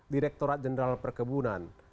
direkturat jenderal perkebunan